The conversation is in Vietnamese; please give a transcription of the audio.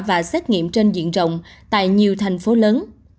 và xét nghiệm trên diện rộng tại nhiều thành phố lớn